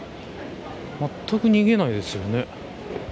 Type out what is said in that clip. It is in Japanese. まったく逃げないですよね。